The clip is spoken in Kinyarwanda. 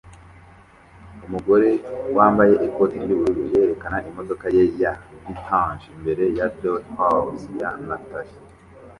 Umugore wambaye ikoti ry'ubururu yerekana imodoka ye ya vintage imbere ya DollHouse ya Nathalie